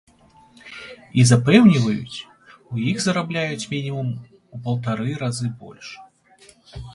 І запэўніваюць, у іх зарабляюць мінімум у паўтары разы больш.